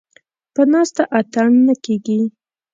ـ په ناسته اتڼ نه کېږي.